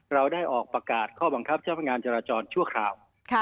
เราได้ออกประกาศข้อบังคับเจ้าพนักงานจราจรชั่วคราว